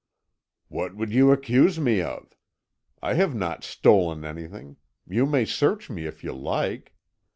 "What would you accuse me of? I have not stolen anything; you may search me if you like.